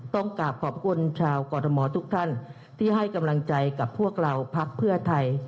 ต้องกราบขอบคุณชาวกรทมทุกท่านที่ให้กำลังใจกับพวกเราพักเพื่อไทย